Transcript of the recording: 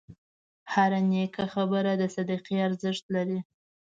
هره نیکه خبره د صدقې ارزښت لري.